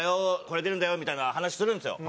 「これ出るんだよ」みたいな話するんですよ。